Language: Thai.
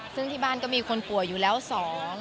ซึ่งที่บ้านก็มีคนป่วยอยู่แล้วสอง